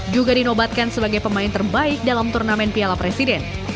juga dinobatkan sebagai pemain terbaik dalam turnamen piala presiden